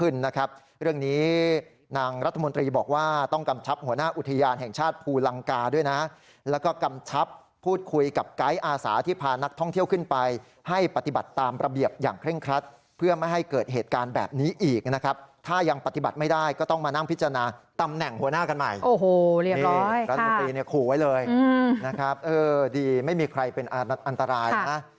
นางรัฐมนตรีบอกว่าต้องกำชับหัวหน้าอุทยานแห่งชาติภูลังกาด้วยนะครับแล้วก็กำชับพูดคุยกับกายอาสาที่พานักท่องเที่ยวขึ้นไปให้ปฏิบัติตามประเบียบอย่างเคร่งครัดเพื่อไม่ให้เกิดเหตุการณ์แบบนี้อีกนะครับถ้ายังปฏิบัติไม่ได้ก็ต้องมานั่งพิจารณาตำแหน่งหัวหน้ากันใหม่โอ้โหเรียบร้อย